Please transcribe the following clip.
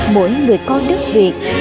mỗi người con đất việt